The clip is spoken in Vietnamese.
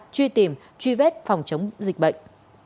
truy tìm truy vết phòng chống dịch bệnh